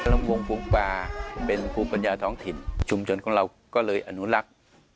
ลำวงฟุ้งปลาเป็นภูมิปัญญาท้องถิ่นชุมชนของเราก็เลยอนุรักษ์